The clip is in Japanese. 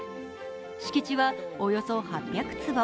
敷地はおよそ８００坪。